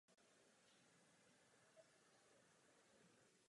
Předtím byly tranzistory používány především pro vojenské nebo průmyslové účely.